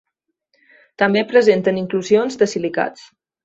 També presenten inclusions de silicats.